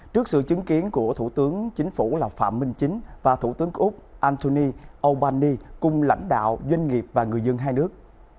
trước sự chứng kiến của thủ tướng chính phủ phạm minh chính và thủ tướng của úc anthony albani cùng lãnh đạo doanh nghiệp và người dân hai nước